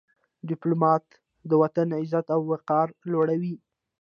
ډيپلومات د وطن عزت او وقار لوړوي.